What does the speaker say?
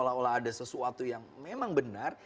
seolah olah ada sesuatu yang memang benar